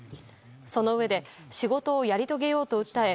そのうえで仕事をやり遂げようと訴え